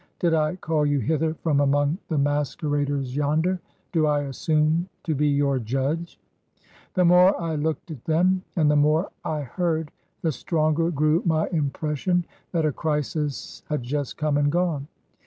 'Did I caU you hither from among the masqueraders yonder? Do I asstune to be your judge?' •.. The more I looked at them, and the more I heard, the stronger grew my impression that a crisis had just come and gone.